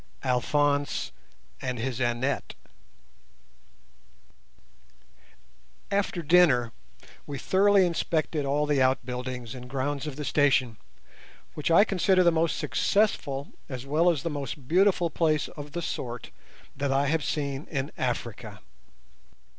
ALPHONSE AND HIS ANNETTE After dinner we thoroughly inspected all the outbuildings and grounds of the station, which I consider the most successful as well as the most beautiful place of the sort that I have seen in Africa.